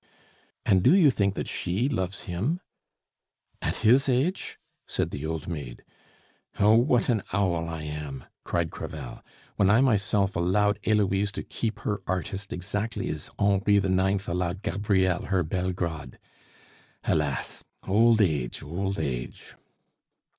"And do you think that she loves him?" "At his age!" said the old maid. "Oh, what an owl I am!" cried Crevel, "when I myself allowed Heloise to keep her artist exactly as Henri IX. allowed Gabrielle her Bellegrade. Alas! old age, old age!